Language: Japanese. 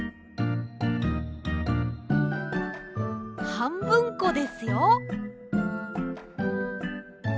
はんぶんこですよ。